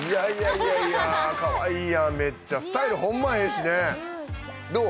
いやいやかわいいやんめっちゃスタイルほんまええしねどう？